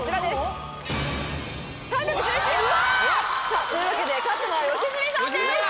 さあというわけで勝ったのは良純さんです！